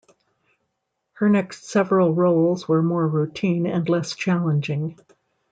Her next several roles were more routine and less challenging.